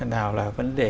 nào là vấn đề